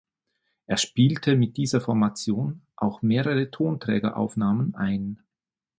Er spielte mit dieser Formation auch mehrere Tonträgeraufnahmen ein.